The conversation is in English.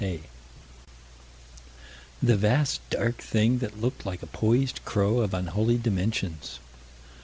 17 The vast dark thing that looked like a poised crow of unholy dimensions.